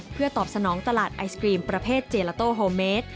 เพื่อตอบสนองตลาดไอศกรีมประเภทเจลาโต้โฮเมด